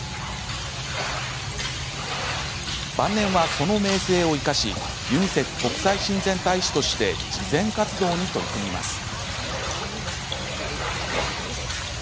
晩年は、その名声を生かしユニセフ国際親善大使として慈善活動に取り組みます。